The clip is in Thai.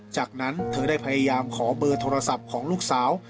จากนั้นเธอได้พยายามขอเบอร์โทรศัพท์ของลูกสาว